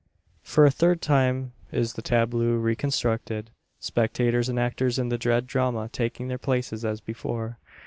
For a third time is the tableau reconstructed spectators and actors in the dread drama taking their places as before.